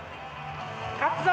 勝つぞ！